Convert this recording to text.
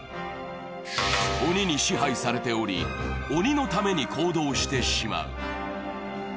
鬼に支配されており、鬼のために行動してしまう。